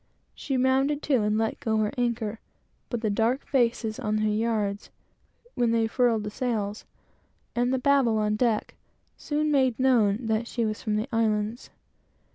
She rounded to and let go her anchor, but the dark faces on her yards, when they furled the sails, and the Babel on deck, soon made known that she was from the Islands.